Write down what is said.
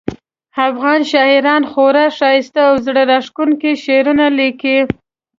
افغان شاعران خورا ښایسته او زړه راښکونکي شعرونه لیکي